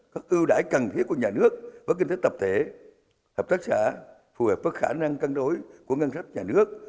các ưu đãi cần thiết của nhà nước với kinh tế tập thể hợp tác xã phù hợp với khả năng cân đối của ngân sách nhà nước